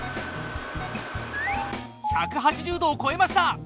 １８０度をこえました！